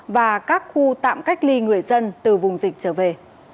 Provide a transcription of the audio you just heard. và các khu tạm cách ly người dân từ vùng dịch trở về